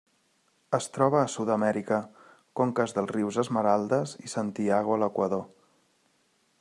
Es troba a Sud-amèrica: conques dels rius Esmeraldas i Santiago a l'Equador.